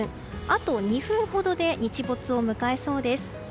あと２分ほどで日没を迎えそうです。